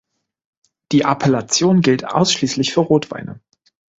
Die Appellation gilt ausschließlich für Rotweine.